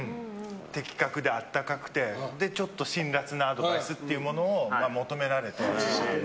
的確で温かくてちょっと辛辣なアドバイスというものを求められて。